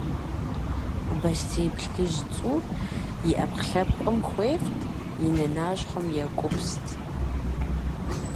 Бостей плъыжь цӏуур и ӏэпкълъэпкъым хуэфӏт, и нэ нащхъуэм екӏупст.